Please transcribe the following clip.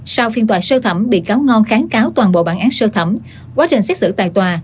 sau phiên tòa sơ thẩm bị cáo ngon kháng cáo toàn bộ bản án sơ thẩm quá trình xét xử tại tòa